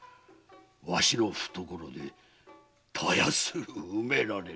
わしの懐でたやすう埋められるわ。